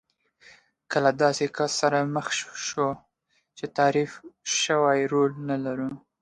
که له داسې کس سره مخ شو چې تعریف شوی رول نه لرو.